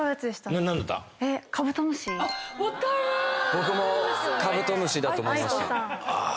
僕も『カブトムシ』だと思いました。